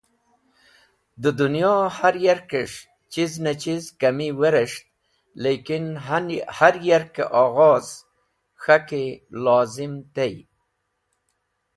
De Dunyohe har yarkes̃h chiz ne chiz kami weres̃ht, laikin har yarke Oghoz k̃haki lozim tey.